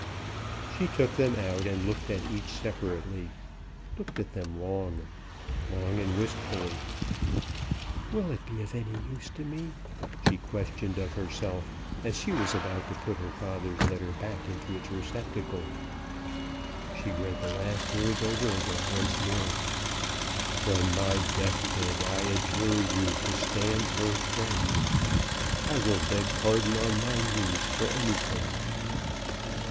She took them out, and looked at each separately; looked at them long long and wistfully. "Will it be of any use to me?" she questioned of herself, as she was about to put her father's letter back into its receptacle. She read the last words over again, once more: "From my death bed I adjure you to stand her friend; I will beg pardon on my knees for anything."